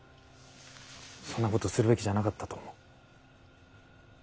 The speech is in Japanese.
そんなことするべきじゃなかったと思う。